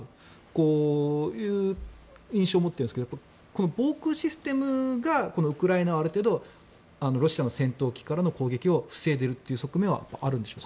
こういう印象を持ってるんですが防空システムがこのウクライナをある程度ロシアの戦闘機からの攻撃を防いでいるという側面はあるんでしょうか？